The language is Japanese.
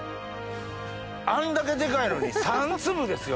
あんだけデカいのに３粒ですよ！